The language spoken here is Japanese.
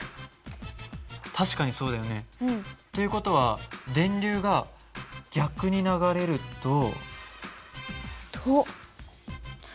確かにそうだよね。という事は電流が逆に流れると。と。